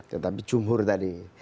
tetapi jumhur tadi